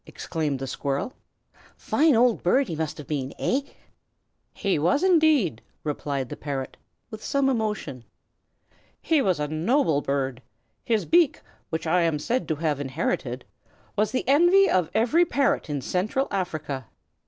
exclaimed the squirrel. "Fine old bird he must have been, eh?" "He was, indeed!" replied the parrot, with some emotion. "He was a noble bird. His beak, which I am said to have inherited, was the envy of every parrot in Central Africa.